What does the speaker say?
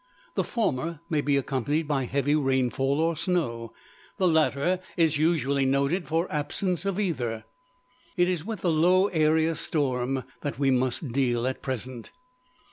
The former may be accompanied by heavy rainfall or snow; the latter is usually noted for absence of either. It is with the low area storm that we must deal at present.